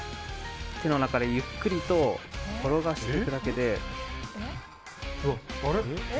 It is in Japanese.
手の中でゆっくりと転がしていくだけで。